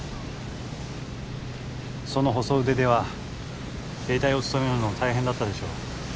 その細腕では兵隊を務めるのは大変だったでしょう？